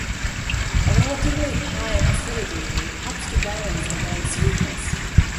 A relatively high acidity helps to balance the wine's sweetness.